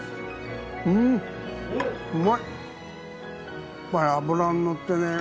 うんうまい！